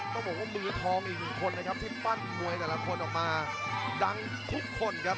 ต้องบอกว่ามือทองอีกหนึ่งคนนะครับที่ปั้นมวยแต่ละคนออกมาดังทุกคนครับ